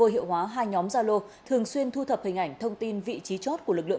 hiệu hóa hai nhóm gia lô thường xuyên thu thập hình ảnh thông tin vị trí chốt của lực lượng